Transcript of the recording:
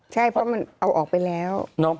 ใช่เพราะมันเอาออกไปแล้ว